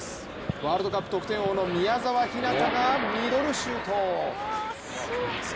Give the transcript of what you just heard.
ワールドカップ得点王の宮澤ひなたがミドルシュート。